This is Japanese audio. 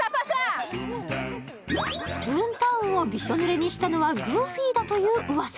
トゥーンタウンをびしょ濡れにしたのはグーフィーだといううわさ。